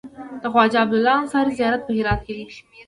د خواجه عبدالله انصاري زيارت په هرات کی دی